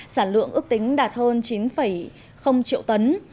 sản lượng ước tính đạt hơn chín triệu tấn